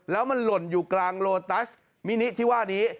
แล้วมันหล่นอยู่กลางโลตัสมินิที่ว่านี้